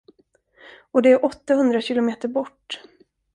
Och det är åttahundra km bort.